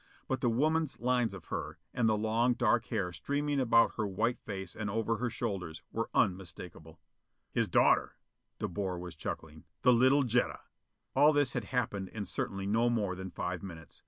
But the woman's lines of her, and the long dark hair streaming about her white face and over her shoulders, were unmistakable. "His daughter." De Boer was chuckling. "The little Jetta." All this had happened in certainly no more than five minutes.